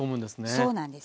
そうなんです。